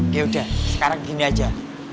ya udah sekarang gini aja